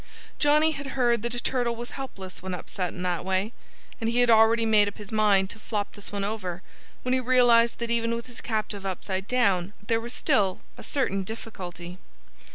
Johnnie had heard that a turtle was helpless when upset in that way. And he had already made up his mind to flop this one over when he realized that even with his captive upside down there was still a certain difficulty.